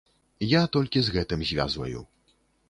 Я толькі з гэтым звязваю.